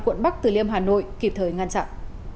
quận bắc từ liêm hà nội kịp thời ngăn chặn